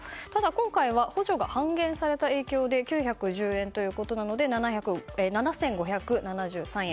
今回は補助が半減された影響で９１０円ということで７５７３円。